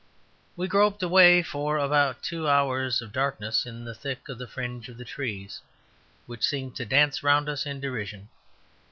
We groped away for about two hours of darkness in the thick of the fringe of trees which seemed to dance round us in derision.